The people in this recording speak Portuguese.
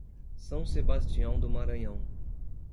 São Sebastião do Maranhão